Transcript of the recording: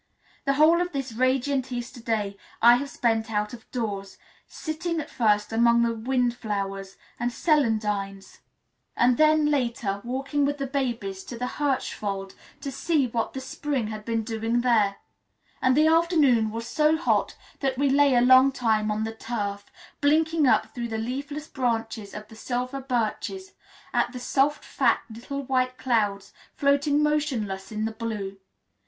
The whole of this radiant Easter day I have spent out of doors, sitting at first among the windflowers and celandines, and then, later, walking with the babies to the Hirschwald, to see what the spring had been doing there; and the afternoon was so hot that we lay a long time on the turf, blinking up through the leafless branches of the silver birches at the soft, fat little white clouds floating motionless in the blue.